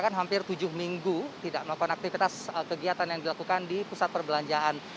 kan hampir tujuh minggu tidak melakukan aktivitas kegiatan yang dilakukan di pusat perbelanjaan